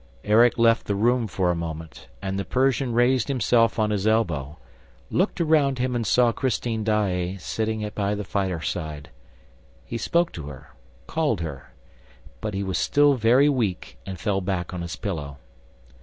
Erik left the room for a moment, and the Persian raised himself on his elbow, looked around him and saw Christine Daae sitting by the fireside. He spoke to her, called her, but he was still very weak and fell back on his pillow.